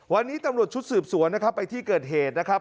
วันนี้ตำรวจชุดสืบสวนนะครับไปที่เกิดเหตุนะครับ